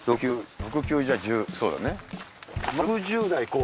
６９じゃ１０そうだね。